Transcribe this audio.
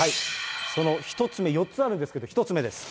その１つ目、４つあるんですけれども、１つ目です。